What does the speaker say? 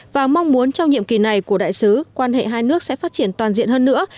và mong muốn trong nhiệm kỳ này của đại sứ quan hệ hai nước sẽ phát triển toàn diện hơn nữa